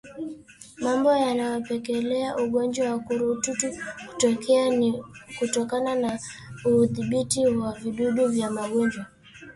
Mambo yanayopelekea ugonjwa wa ukurutu kutokea ni kutokuwa na udhibiti wa vijidudu vya magonjwa